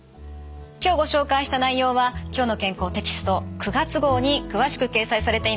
今日ご紹介した内容は「きょうの健康」テキスト９月号に詳しく掲載されています。